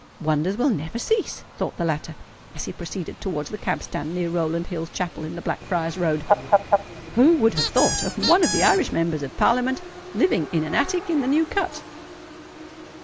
"Wonders will never cease!" thought the latter, as he proceeded towards the cab stand near Rowland Hill's chapel in the Blackfriars Road: "who would have thought of one of the Irish Members of Parliament living in an attic in the New Cut?"